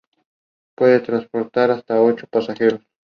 Al volver a casa Louisa llama al gato y le examina el rostro.